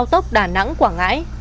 cao tốc đà nẵng quảng ngãi